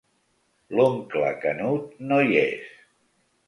L'oncle Canut no hi és.